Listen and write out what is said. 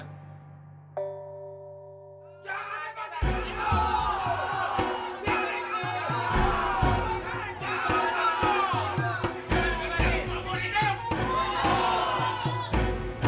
jangan lepas dari gue